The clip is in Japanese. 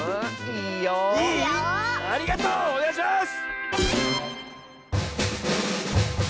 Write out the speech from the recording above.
いい⁉ありがとう！おねがいします！